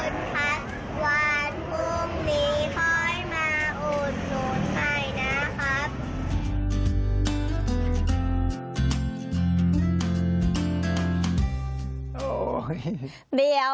สวัสดีครับขอบคุณครับ